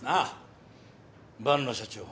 万野社長